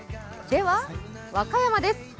では和歌山です。